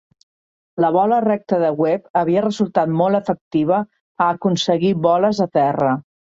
La bola recta de Webb havia resultat molt efectiva a aconseguir boles de terra.